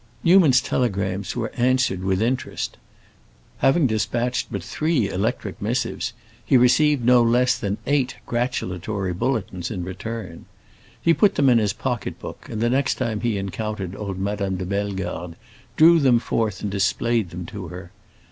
Newman's telegrams were answered with interest. Having dispatched but three electric missives, he received no less than eight gratulatory bulletins in return. He put them into his pocket book, and the next time he encountered old Madame de Bellegarde drew them forth and displayed them to her.